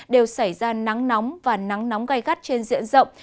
đều xảy ra nắng nóng và nắng nóng gai gắt trên diện rộng